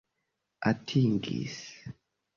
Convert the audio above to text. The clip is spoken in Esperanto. atingis